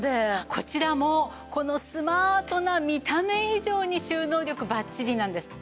こちらもこのスマートな見た目以上に収納力バッチリなんです。